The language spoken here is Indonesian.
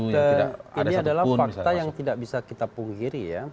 ini adalah fakta yang tidak bisa kita punggiri ya